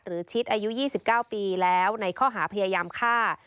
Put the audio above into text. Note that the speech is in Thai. ชิดอายุ๒๙ปีแล้วในข้อหาพยายามฆ่า